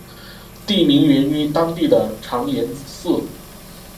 地名源自于当地的长延寺。